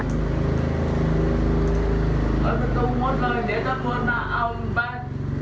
เอาไปตรงหมดเลยเดี๋ยวจำนวนมาเอามือไป